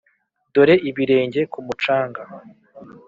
dore ibirenge ku mucanga